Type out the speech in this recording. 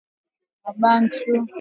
Miye shita weza kwiba myoko ya bantu